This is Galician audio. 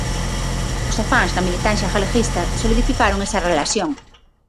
Os afáns na militancia galeguista solidificaron esa relación.